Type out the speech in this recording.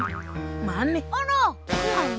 selain mencari anak anak bisa menemukan